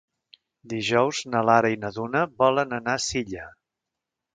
Dijous na Lara i na Duna volen anar a Silla.